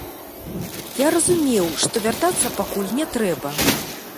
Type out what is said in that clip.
Я разумеў, што вяртацца пакуль не трэба.